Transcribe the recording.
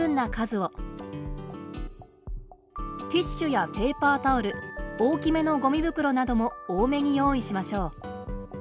ティッシュやペーパータオル大きめのゴミ袋なども多めに用意しましょう。